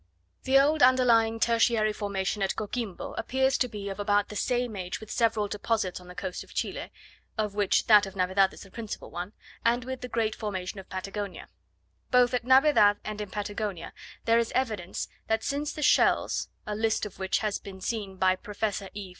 The old underlying tertiary formation at Coquimbo, appears to be of about the same age with several deposits on the coast of Chile (of which that of Navedad is the principal one), and with the great formation of Patagonia. Both at Navedad and in Patagonia there is evidence, that since the shells (a list of which has been seen by Professor E.